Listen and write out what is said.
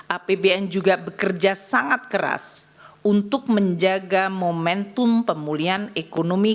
apbn juga bekerja sangat keras untuk menjaga momentum pemulihan ekonomi